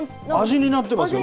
あじになってますよね。